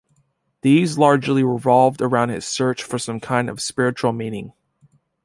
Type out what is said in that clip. These largely revolved around his search for some kind of spiritual meaning.